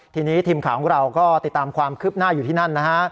ทีนี้ทีมข่าวของเราก็ติดตามความคืบหน้าอยู่ที่นั่นนะฮะ